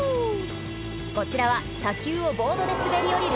こちらは砂丘をボードで滑り降りる